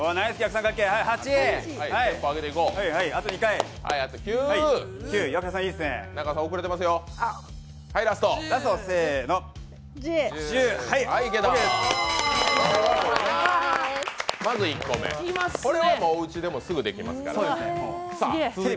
これなんかはおうちでもすぐできますから。